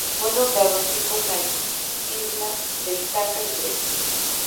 Fue nombrado así por la isla de Ítaca en Grecia.